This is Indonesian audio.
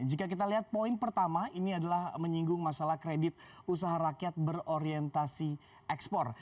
jika kita lihat poin pertama ini adalah menyinggung masalah kredit usaha rakyat berorientasi ekspor